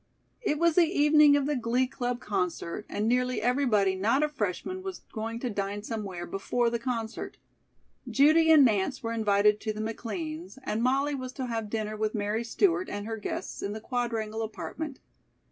It was the evening of the Glee Club concert, and nearly everybody not a freshman was going to dine somewhere before the concert. Judy and Nance were invited to the McLeans', and Molly was to have dinner with Mary Stewart and her guests in the Quadrangle apartment.